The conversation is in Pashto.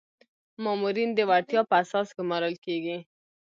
مامورین د وړتیا په اساس ګمارل کیږي